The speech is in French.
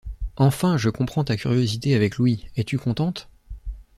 Enfin, je comprends ta curiosité avec Louis, es-tu contente?